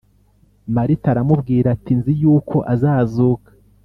Marita aramubwira ati Nzi yuko azazuka